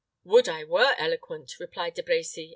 "Would I were eloquent!" replied De Brecy.